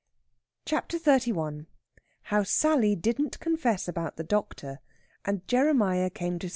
CHAPTER XXXI HOW SALLY DIDN'T CONFESS ABOUT THE DOCTOR, AND JEREMIAH CAME TO ST.